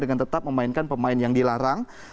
dengan tetap memainkan pemain yang dilarang